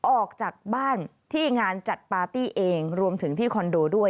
ออกจากบ้านที่งานจัดปาร์ตี้เองรวมถึงที่คอนโดด้วย